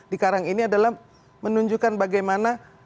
di karang ini adalah menunjukkan bagaimana